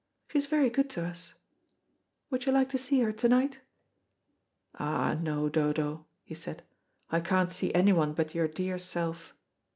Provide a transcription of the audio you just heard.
She is very good to us. Would you like to see her to night?" "Ah no, Dodo," he said, "I can't see anyone but your dear self.